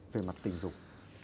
về mặt tình dục